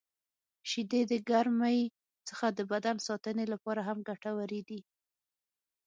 • شیدې د ګرمۍ څخه د بدن ساتنې لپاره هم ګټورې دي.